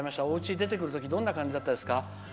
おうちを出てくるときどんな感じだったですか。